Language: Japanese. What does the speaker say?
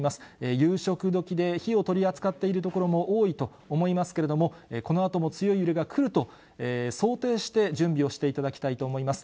夕食どきで火を取り扱っている所も多いと思いますけれども、このあとも強い揺れが来ると想定して、準備をしていただきたいと思います。